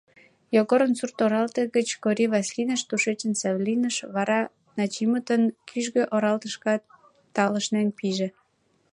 Йогорын сурт оралте гыч Кори Васлиныш, тушеч Савлиныш, вара Начимытын кӱжгӧ оралтышкат талышнен пиже.